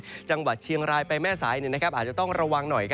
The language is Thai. ทางจังหวัดเชียงรายจะไปแม่ศาสนนี่อาจต้องรวมหน่อย